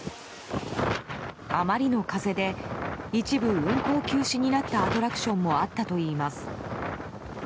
あまりの風で一部、運行休止になったアトラクションもあったといいます。